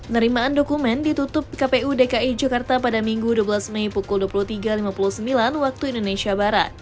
nerimaan dokumen ditutup kpu dki jakarta pada minggu dua belas mei pukul dua puluh tiga lima puluh sembilan waktu indonesia barat